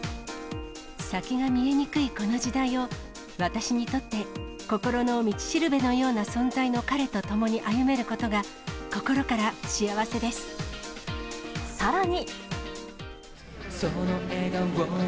先が見えにくいこの時代を、私にとって心の道しるべのような存在の彼と共に歩めることが、さらに。